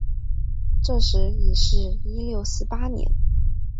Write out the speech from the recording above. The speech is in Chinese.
这时已是一六四八年。